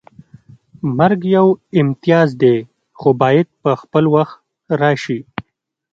مرګ یو امتیاز دی خو باید په خپل وخت راشي